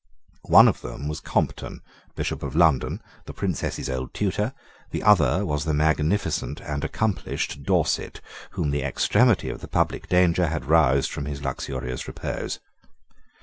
One of them was Compton, Bishop of London, the Princess's old tutor: the other was the magnificent and accomplished Dorset, whom the extremity of the public danger had roused from his luxurious repose.